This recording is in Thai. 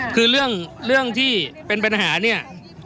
คือเรื่องที่เป็นปัญหาเนี่ย